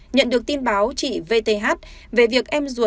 nhận được tin báo chị vth về việc em ruột